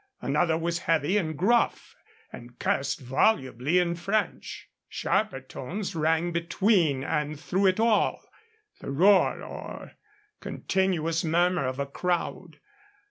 Another was heavy and gruff, and cursed volubly in French. Sharper tones rang between and through it all, the roar or continuous murmur of a crowd.